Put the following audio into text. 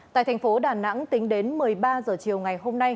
tại thành phố đà nẵng tính đến một mươi ba h chiều ngày hôm nay